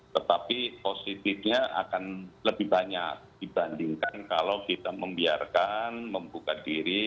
tetapi positifnya akan lebih banyak dibandingkan kalau kita membiarkan membuka diri